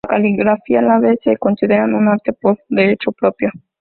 La caligrafía árabe se considera un arte por derecho propio.